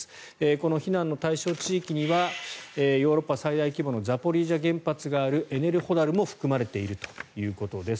この避難の対象地域にはヨーロッパ最大規模のザポリージャ原発があるエネルホダルも含まれているということです。